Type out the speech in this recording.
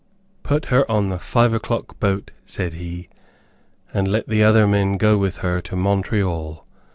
"Put her on the five o'clock boat," said he, "and let the other men go with her to Montreal.